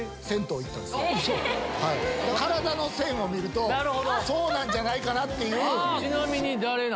体の線を見るとそうなんじゃないかなっていう。